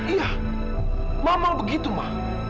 iya mama begitu ma